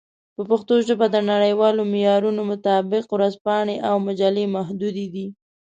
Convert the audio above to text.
په پښتو ژبه د نړیوالو معیارونو مطابق ورځپاڼې او مجلې محدودې دي.